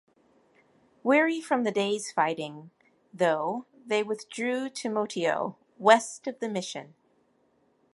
Weary from the day's fighting, though, they withdrew to Motieau, west of the mission.